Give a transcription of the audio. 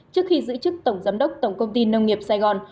trước khi giữ chức tổng giám đốc tổng công ty nông nghiệp sài gòn